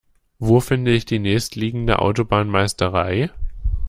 Wo finde ich die nächstliegende Autobahnmeisterei?